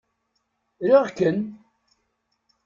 Riɣ-ken!